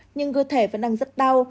nhưng cơ thể vẫn đang rất đau